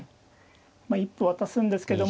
まあ一歩渡すんですけども。